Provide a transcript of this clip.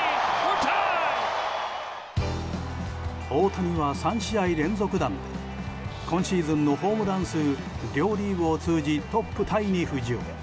大谷は３試合連続弾で今シーズンホームラン数両リーグを通じトップタイに浮上。